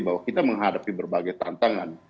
bahwa kita menghadapi berbagai tantangan